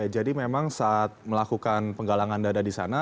jadi memang saat melakukan penggalangan dana di sana